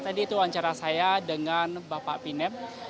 tadi itu wawancara saya dengan bapak pinep